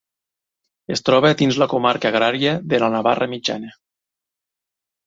Es troba dins la comarca agrària de la Navarra Mitjana.